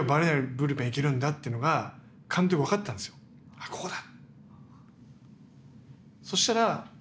「あっここだ！」。